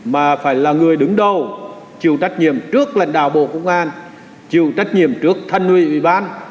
mà phải là người đứng đầu chịu trách nhiệm trước lãnh đạo bộ công an chịu trách nhiệm trước thân nguy ủy ban